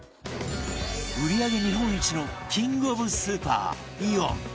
売り上げ日本一のキングオブスーパー、イオン